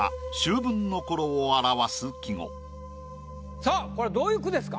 さぁこれはどういう句ですか？